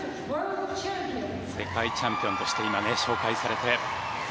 世界チャンピオンとして紹介されて。